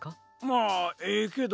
まあええけど。